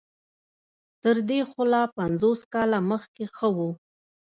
تر دې خو لا پنځوس کاله مخکې ښه وو.